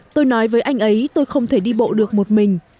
tôi nói với anh ấy tôi không thể đi bộ được một mình